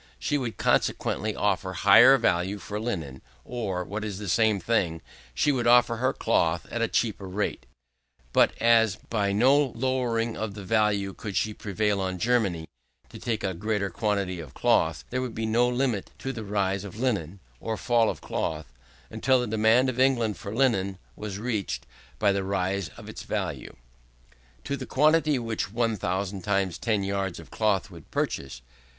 She would consequently offer a higher value for linen; or, what is the same thing, she would offer her cloth at a cheaper rate. But as by no lowering of the value could she prevail on Germany to take a greater quantity of cloth, there would be no limit to the rise of linen, or fall of cloth, until the demand of England for linen was reduced by the rise of its value, to the quantity which one thousand times ten yards of cloth would purchase.